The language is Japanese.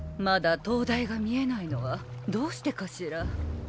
まだ灯台が見えないのはどうしてかしら？